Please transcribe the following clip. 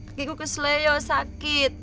kakiku keselayaan sakit